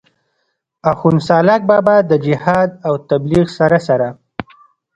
آخون سالاک بابا د جهاد او تبليغ سره سره